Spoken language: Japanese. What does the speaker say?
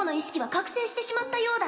覚醒してしまったようだ